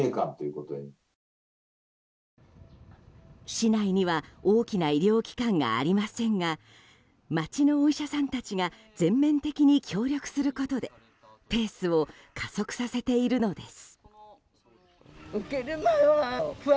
市内には大きな医療機関がありませんが町のお医者さんたちが全面的に協力することでペースを加速させているのです。